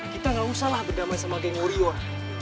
kita gak usahlah berdamai sama geng warrior